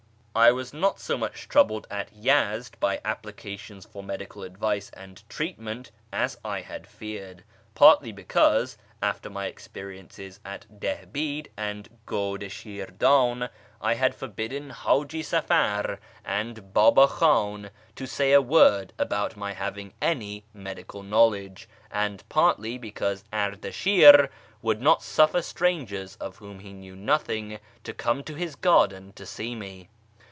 I was not so much troubled at Yezd by applications for medical advice and treatment as I had feared, partly because, after my experiences at Dihbid and God i Shirdan, I had YEZD 3S7 forbidden Haji Safar and Baba Khan to say a word about my having any medical knowledge, and partly because Ardashir would not suffer strangers of whom he knew nothing to come to his garden to see me.